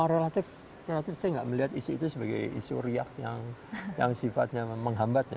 relatif saya tidak melihat isu isu itu sebagai isu riak yang sifatnya menghambat